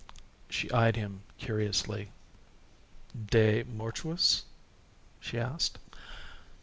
She eyed him curiously. "De mortuis?" she asked.